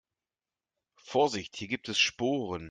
Vorsicht, hier gibt es Sporen.